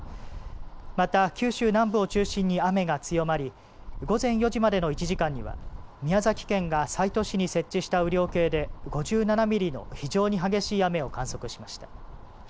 また九州南部を中心に雨が強まり午前４時までの１時間には宮崎県が西都市に設置した雨量計で５７ミリの非常に激しい雨を観測しました。